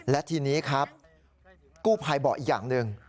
และทีนี้ครับกู้ภัยบอกอีกอย่างหนึ่ง